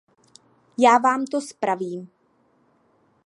Já vám to spravím.